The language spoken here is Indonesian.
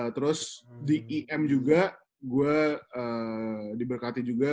terus di im juga gue diberkati juga